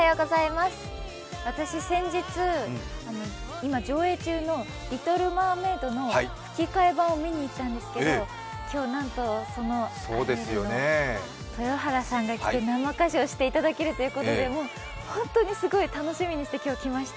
私、先日、今上映中の「リトル・マーメイド」の吹き替え版を見に行ったんですけども、今日なんとそのアリエルの豊原さんが来て生歌唱していただけるということで本当にすごい楽しみにして来ました。